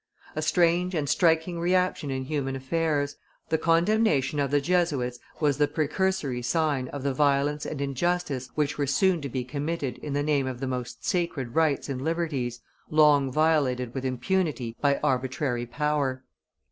A strange and striking reaction in human affairs; the condemnation of the Jesuits was the precursory sign of the violence and injustice which were soon to be committed in the name of the most sacred rights and liberties, long violated with impunity by arbitrary power.